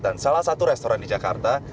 dan salah satu restoran di jakarta